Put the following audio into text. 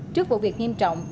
trước vụ việc nghiêm trọng